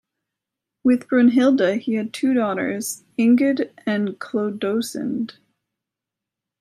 With Brunhilda he had two daughters: Ingund and Chlodosind.